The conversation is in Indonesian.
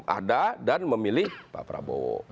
ada dan memilih pak prabowo